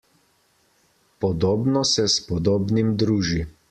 Podobno se s podobnim druži.